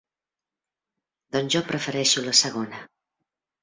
Doncs jo prefereixo la segona.